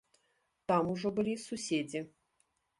Там ужо былі суседзі.